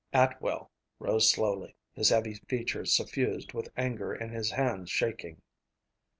Atwell rose slowly, his heavy features suffused with anger and his hands shaking.